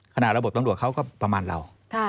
ระบบตำรวจเขาก็ประมาณเรา